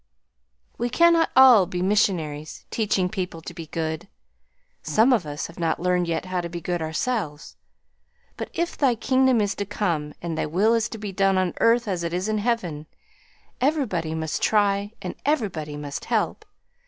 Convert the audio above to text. ... "We cannot all be missionaries, teaching people to be good, ... some of us have not learned yet how to be good ourselves, but if thy kingdom is to come and thy will is to be done on earth as it is in heaven, everybody must try and everybody must help